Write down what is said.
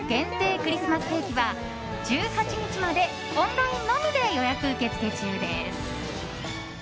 クリスマスケーキは１８日までオンラインのみで予約受付中です。